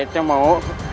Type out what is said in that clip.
saya tidak mau